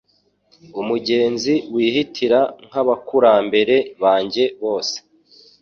umugenzi wihitira nk’abakurambere banjye bose